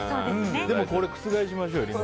でも覆しましょうよ。